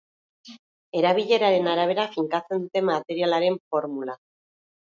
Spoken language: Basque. Erabileraren arabera finkatzen dute materialaren formula.